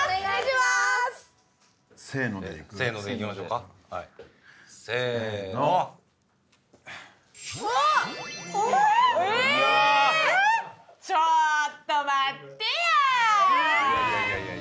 ちょっと待ってやー！